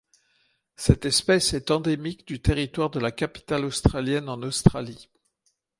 Cette espèce est endémique du Territoire de la capitale australienne en Australie.